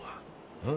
うん？